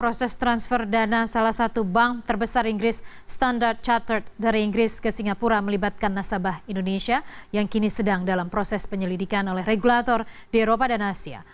proses transfer dana salah satu bank terbesar inggris standard chart dari inggris ke singapura melibatkan nasabah indonesia yang kini sedang dalam proses penyelidikan oleh regulator di eropa dan asia